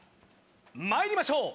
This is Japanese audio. まいりましょう！